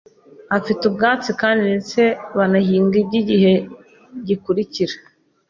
afi te ubwatsi, kandi ndetse banahinga iby’igihe gikurikira.